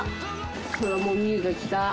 ほらもう心結が来た。